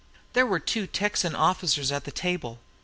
There were two Texan officers at the table.